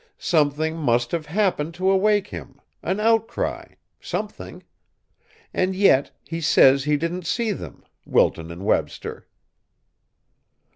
Something must have happened to awake him, an outcry, something. And yet, he says he didn't see them Wilton and Webster."